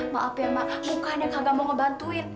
maaf ya emak mukanya kagak mau ngebantuin